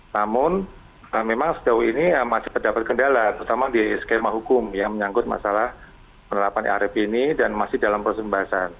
namun memang sejauh ini masih terdapat kendala terutama di skema hukum yang menyangkut masalah penerapan irf ini dan masih dalam proses pembahasan